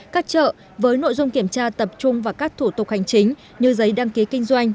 các chợ với nội dung kiểm tra tập trung vào các thủ tục hành chính như giấy đăng ký kinh doanh